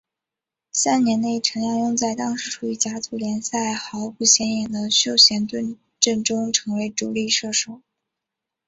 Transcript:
三年内陈亮镛在当时处于甲组联赛豪不显眼的修咸顿阵中成为主力射手。